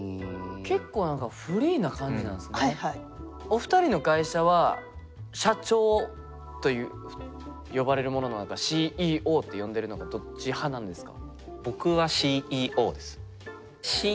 結構何かお二人の会社は社長という呼ばれるものなのかＣＥＯって呼んでるのかどっち派なんですか？